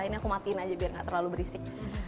ini aku matiin aja biar gak terlalu berisik